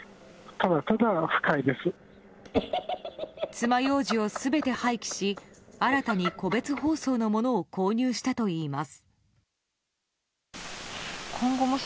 つまようじを全て廃棄し新たに個別包装のものを購入したといいます。